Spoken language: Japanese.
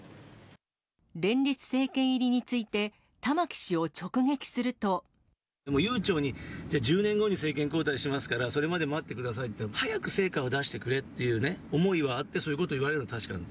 連立政権入りについて、玉木氏を悠長に１０年後に政権交代しますから、それまで待ってくださいっていっても、早く成果を出してくれっていうね、思いはあって、そういうことを言われるのは確かなの。